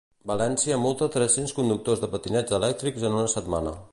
València multa tres-cents conductors de patinets elèctrics en una setmana.